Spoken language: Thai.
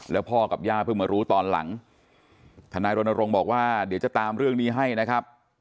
แล้วพ่อกับย่าเพิ่งมารู้ตอนหลังทนายรณรงค์บอกว่าเดี๋ยวจะตามเรื่องนี้ให้นะครับ